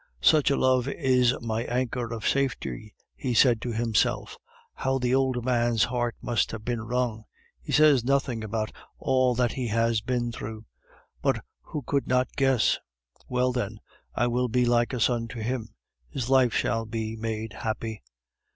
"Such a love is my anchor of safety," he said to himself. "How the old man's heart must have been wrung! He says nothing about all that he has been through; but who could not guess? Well, then, I will be like a son to him; his life shall be made happy.